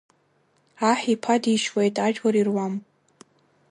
Аҳ иԥа дишьуеит, ажәлар ируам.